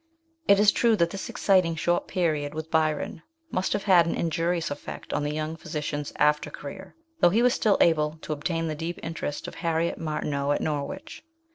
It is true that this exciting short period with Byron must have had an injurious effect on the young physician's after career, though he was still able to obtain the deep interest of Harriet Martineau at Norwich.